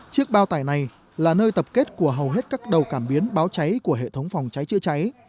chiếc bao tải này là nơi tập kết của hầu hết các đầu cảm biến báo cháy của hệ thống phòng cháy chữa cháy